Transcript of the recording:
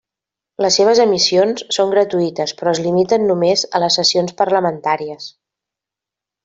Les seves emissions són gratuïtes però es limiten només a les sessions parlamentàries.